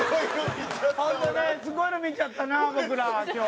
ホントねすごいの見ちゃったな僕ら今日。